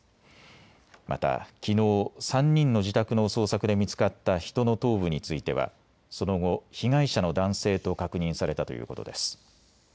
またきのう３人の自宅の捜索で見つかった人の頭部についてはその後、被害者の男性と確認されたということです。